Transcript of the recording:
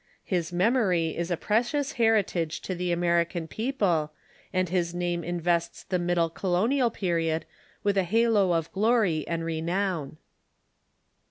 His memory is a precious heritage to the American people, and his name invests the Middle Colonial Period with a halo of glory and renown.